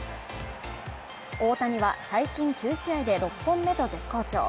大谷は最近９試合で６本目と絶好調